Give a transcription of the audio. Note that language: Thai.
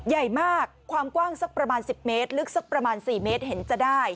ใหญ่มากความกว้างสักประมาณ๑๐เมตรลึกสักประมาณ๔เมตรเห็นจะได้